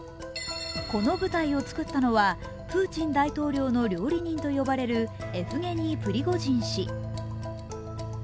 この部隊をつくったのはプーチン大統領の料理人と呼ばれるエフゲニー・プリゴジン氏。